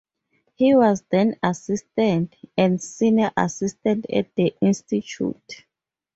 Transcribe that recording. He was then assistant and senior assistant at the institute.